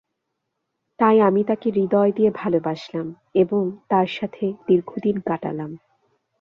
তাই আমি তাকে হৃদয় দিয়ে ভালবাসলাম এবং তার সাথে দীর্ঘদিন কাটালাম।